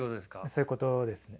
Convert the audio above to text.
そういうことですね。